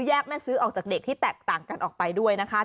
แม่ซื้อออกจากเด็กที่แตกต่างกันออกไปด้วยนะคะ